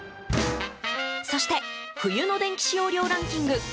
そして冬の電気使用量ランキング